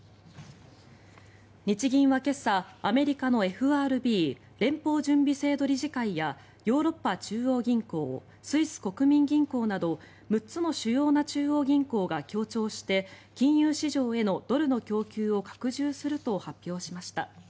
日銀は今朝、アメリカのＦＲＢ・連邦準備制度理事会やヨーロッパ中央銀行スイス国民銀行など６つの主要な中央銀行が協調して金融市場へのドルの供給を拡充すると発表しました。